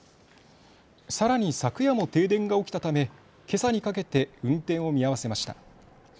さらに昨夜も停電が起きたためけさにかけて運転を見合わせました。